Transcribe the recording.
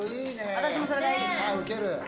私もそれがいい。